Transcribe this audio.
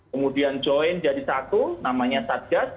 kemudian join jadi satu namanya satgas